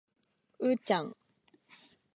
うーちゃん